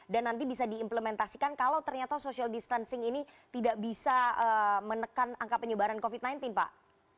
dan nanti bisa diimplementasikan kalau ternyata social distancing ini tidak bisa menekan angka penyebaran covid sembilan belas pak